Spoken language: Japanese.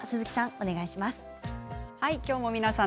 きょうも皆さん